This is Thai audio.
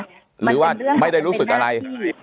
อย่าเรียกว่าไม่ได้รู้สึกอะไร